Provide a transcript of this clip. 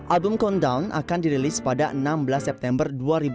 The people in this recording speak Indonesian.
album countdown akan dirilis pada enam belas september dua ribu enam belas